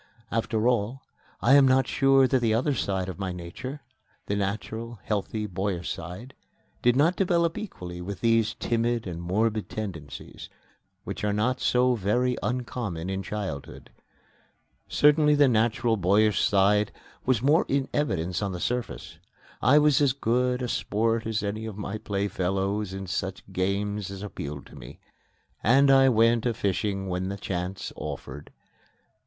After all, I am not sure that the other side of my nature the natural, healthy, boyish side did not develop equally with these timid and morbid tendencies, which are not so very uncommon in childhood. Certainly the natural, boyish side was more in evidence on the surface. I was as good a sport as any of my playfellows in such games as appealed to me, and I went a fishing when the chance offered.